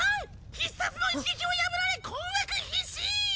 必殺の一撃を破られ困惑必至！